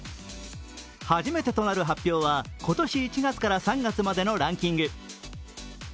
初めてとなる発表は今年１月から３月までのランキング。